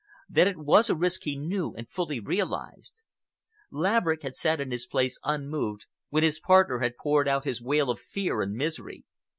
That it was a risk he knew and fully realized. Laverick had sat in his place unmoved when his partner had poured out his wail of fear and misery.